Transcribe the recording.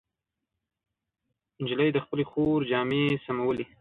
نجلۍ د خپلې خور جامې سمولې.